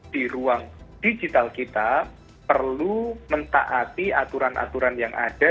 di ruang digital kita perlu mentaati aturan aturan yang ada